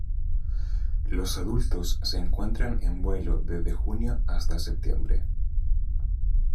Los adultos se encuentran en vuelo desde junio hasta septiembre.